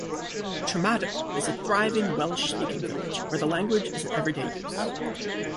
Tremadog is a thriving Welsh-speaking village, where the language is in everyday use.